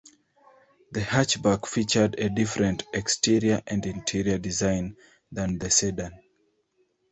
The hatchback featured a different exterior and interior design than the sedan.